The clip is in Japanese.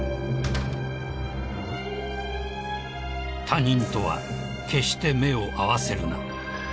［「他人とは決して目を合わせるな」］